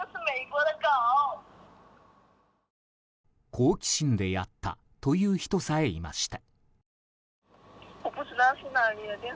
好奇心でやったという人さえいました。